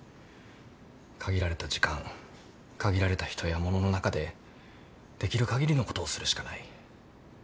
限られた時間限られた人や物の中でできる限りのことをするしかない。